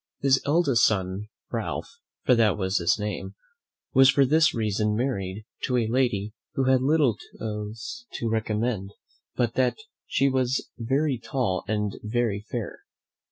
His eldest son Ralph, for that was his name, was for this reason married to a lady who had little else to recommend her but that she was very tall and very fair.